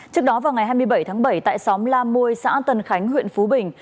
trước đó vào ngày hai mươi bảy tháng bảy tại xóm la muôi xã tân khánh huyện phú bình